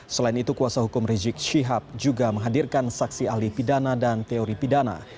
selain itu kuasa hukum rizik syihab juga menghadirkan saksi ahli pidana dan teori pidana